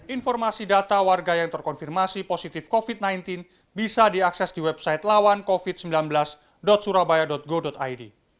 informasi data warga yang terkonfirmasi positif covid sembilan belas bisa diakses di website lawan covid sembilan belas surabaya go id